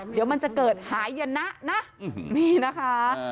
เดี๋ยวมันจะเกิดหายนะนะนี่นะคะ